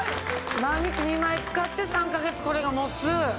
毎日２枚使って３か月これが持つ。